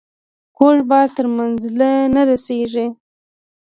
کوږ بار تر منزله نه رسیږي.